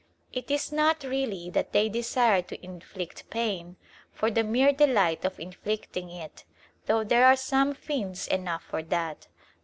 It is not really that they desire to inflict pain for the mere delight of inflicting it, though there are some fiends enough for that.